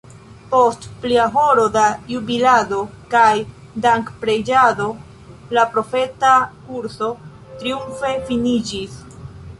Post plia horo da jubilado kaj dankpreĝado la profeta kurso triumfe finiĝis.